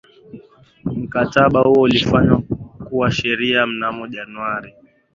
mkataba huo ulifanywa kuwa sheria mnamo januari